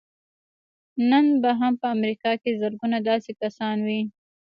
نن به هم په امريکا کې زرګونه داسې کسان وي.